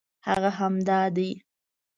هغه همدا دی.